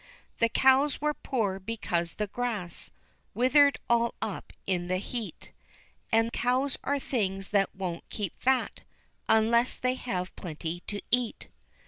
The cows were poor because the grass Withered all up in the heat, And cows are things that won't keep fat Unless they have plenty to eat.